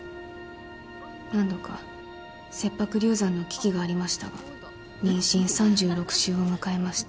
何度か切迫流産の危機がありましたが妊娠３６週を迎えました。